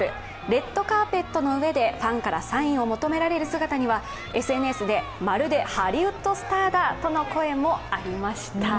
レッドカーペットの上でファンからサインを求められる姿はＳＮＳでまるでハリウッドスターだとの声もありました。